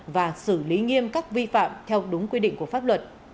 và xử lý nghiêm các vi phạm theo đúng quy định của pháp luật